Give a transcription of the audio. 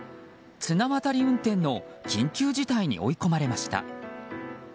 綱渡り運転の緊急事態に追い込まれました。